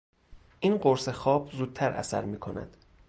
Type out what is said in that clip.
این قرص خواب زود اثر میکند.